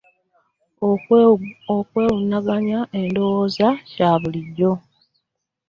Okwawukanya endowooza kya bulijjo.